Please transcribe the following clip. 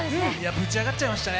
ぶち上がっちゃいましたね。